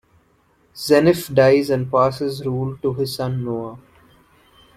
Zeniff dies and passes rule to his son Noah.